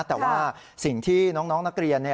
แต่ว่าสิ่งที่น้องนักเรียน